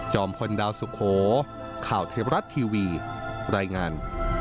พลดาวสุโขข่าวเทวรัฐทีวีรายงาน